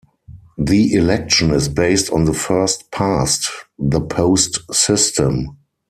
The election is based on the first past the post system.